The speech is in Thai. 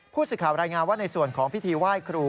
ผู้สื่อข่าวรายงานว่าในส่วนของพิธีไหว้ครู